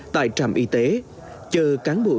tại trạm y tế chờ cán bộ